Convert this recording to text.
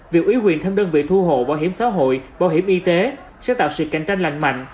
việc ủy quyền thêm đơn vị thu hộ bảo hiểm xã hội bảo hiểm y tế sẽ tạo sự cạnh tranh lành mạnh